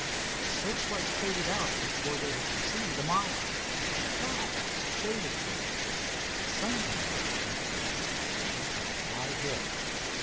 The searchlight faded out before they had proceeded a mile. In fact, day was breaking. The sun came up as they reached the bottom of a high hill.